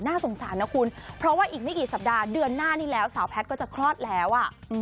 สงสารนะคุณเพราะว่าอีกไม่กี่สัปดาห์เดือนหน้านี้แล้วสาวแพทย์ก็จะคลอดแล้วอ่ะ